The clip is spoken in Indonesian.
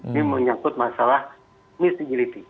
ini menyangkut masalah admissibility